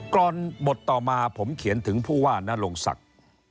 ก่อนบทต่อมาผมเขียนถึงผู้ว่านรงศักดิ์